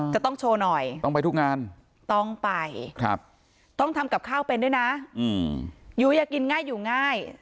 จะต้องโชว์หน่อยต้องไปทุกงานต้องไปต้องทำกับข้าวเป็นด้วยนะยุ้ยอย่ากินง่ายอยู่ง่าย